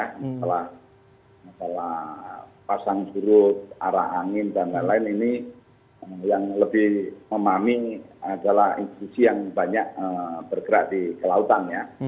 masalah pasang surut arah angin dan lain lain ini yang lebih memahami adalah institusi yang banyak bergerak di kelautan ya